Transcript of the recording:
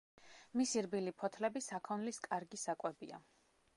მისი რბილი ფოთლები საქონლის კარგი საკვებია.